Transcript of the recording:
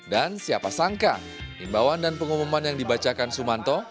dan siapa sangka imbauan dan pengumuman yang dibacakan sumanto